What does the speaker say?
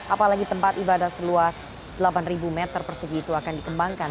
apalagi tempat ibadah seluas delapan meter persegi itu akan dikembangkan